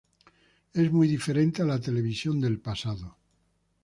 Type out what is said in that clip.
Es muy diferente a la televisión del pasado".